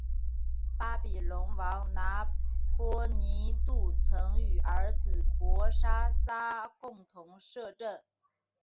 巴比伦王拿波尼度曾与儿子伯沙撒共同摄政。